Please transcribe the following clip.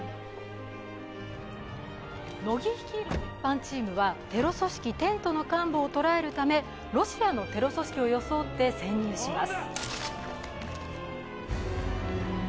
乃木率いる別班チームはテロ組織、テントの幹部を捕らえるため、ロシアのテロ組織を装って潜入します。